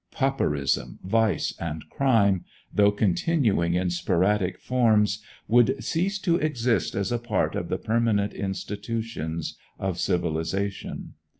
Pauperism, vice, and crime, though continuing in sporadic forms, would cease to exist as a part of the permanent institutions of civilization.